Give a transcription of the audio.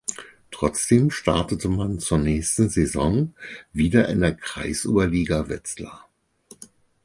Trotzdem startete man zur nächsten Saison wieder in der "Kreisoberliga Wetzlar".